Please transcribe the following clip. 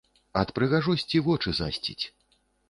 Ад прыгажосці вочы засціць!